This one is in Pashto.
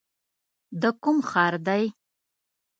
د کوم ښار دی ؟